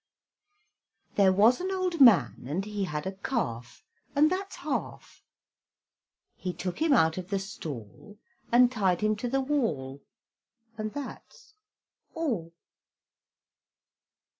There was an old man, And he had a calf, And that's half; He took him out of the stall, And tied him to the wall, And that's all.